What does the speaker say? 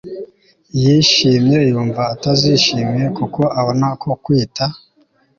yishimye yumva atazishimiye kuko abona ko kwita